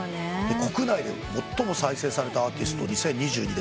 国内で最も再生されたアーティスト２０２２で１０位。